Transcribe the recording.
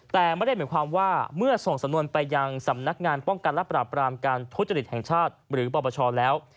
แต่ไม่ได้หมายความว่าเมื่อส่งสำนวนไปยังสำนักงานป้องกันและปราบรามการทุจริตแห่งชาติหรือปปชแล้ว